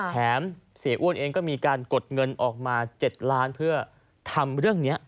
เสียอ้วนเองก็มีการกดเงินออกมา๗ล้านเพื่อทำเรื่องนี้